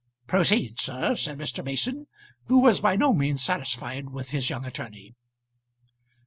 "Proceed, sir," said Mr. Mason, who was by no means satisfied with his young attorney.